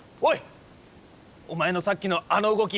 お前のさっきのあの動き